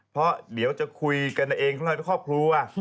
เพราะเดี๋ยวจะคุยกันเองข้างนอกครอบครัว